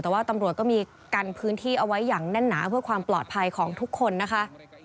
แต่ว่าตำรวจก็มีกันพื้นที่เอาไว้อย่างแน่นหนาเพื่อความปลอดภัยของทุกคนนะคะ